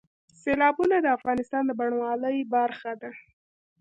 سیلابونه د افغانستان د بڼوالۍ برخه ده.